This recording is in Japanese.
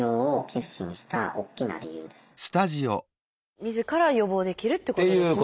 みずから予防できるってことですね